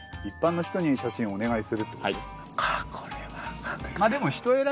一般の人に写真お願いするってこと？